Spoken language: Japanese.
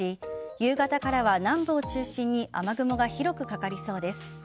夕方からは南部を中心に雨雲が広くかかりそうです。